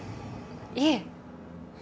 いえ。